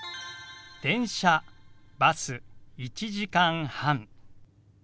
「電車」「バス」「１時間半」。